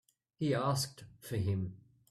He asked for him.